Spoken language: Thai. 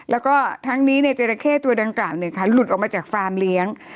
แล้วก็ทั้งนี้จราเข้ตัวดังกล่าวหลุดออกมาจากฟาร์มเลี้ยง